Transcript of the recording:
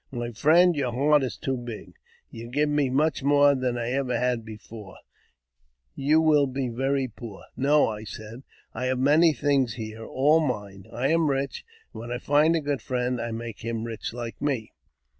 "My friend, your heart is too big; you give me much more than I ever had before ; you will be very poor." "No," I said; " I have many things here, all mine. I am rich, and when I find a good friend, I make him rich like me."